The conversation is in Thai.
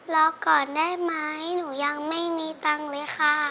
รอก่อนได้ไหมหนูยังไม่มีตังค์เลยค่ะ